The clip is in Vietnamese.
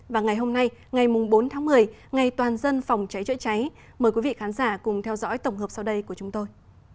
và ngày hôm nay ngày bốn tháng một mươi ngày toàn dân phòng cháy chữa cháy mời quý vị khán giả cùng theo dõi tổng hợp sau đây của chúng tôi